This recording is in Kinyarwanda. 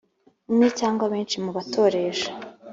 umwe cyangwa benshi mu batoresha